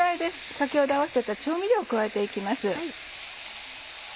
先ほど合わせた調味料を加えて行きます。